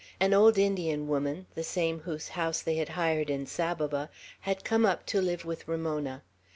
An old Indian woman, the same whose house they had hired in Saboba, had come up to live with Ramona.